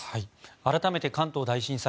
改めて関東大震災